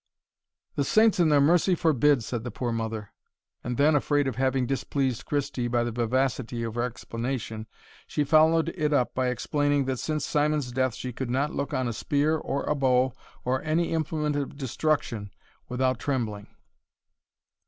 "The Saints in their mercy forbid!" said the poor mother; and then, afraid of having displeased Christie by the vivacity of her exclamation, she followed it up by explaining, that since Simon's death she could not look on a spear or a bow, or any implement of destruction without trembling.